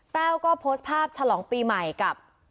แต้วก็โพสต์ภาพฉลองปีใหม่กับ